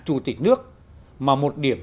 chủ tịch nước mà một điểm